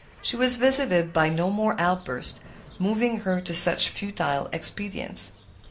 She was visited by no more outbursts, moving her to such futile expedients.